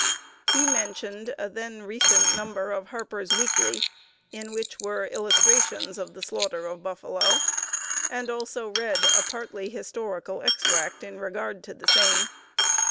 He mentioned a then recent number of Harper's Weekly, in which were illustrations of the slaughter of buffalo, and also read a partly historical extract in regard to the same.